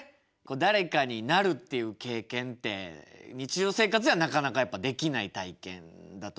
誰かになるっていう経験って日常生活ではなかなかやっぱできない体験だと思うんですけど。